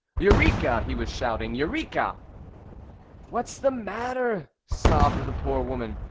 "Eureka!" he was shouting. "Eureka!" "What is the matter?" sobbed the poor woman.